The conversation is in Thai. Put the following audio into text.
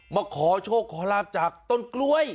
มาขอโชคขอลาบจากต้นกล้วย